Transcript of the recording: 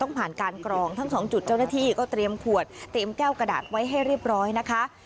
ผ่านการกรองทั้งสองจุดเจ้าหน้าที่ก็เตรียมขวดเตรียมแก้วกระดาษไว้ให้เรียบร้อยนะคะ